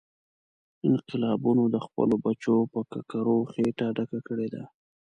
انقلابونو د خپلو بچو په ککرو خېټه ډکه کړې ده.